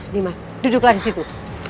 dimas duduklah disitu